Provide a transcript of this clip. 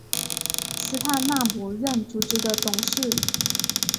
斯泰纳姆任组织的董事。